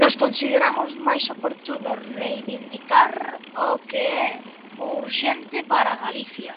Nós consideramos máis oportuno reivindicar o que é urxente para Galicia.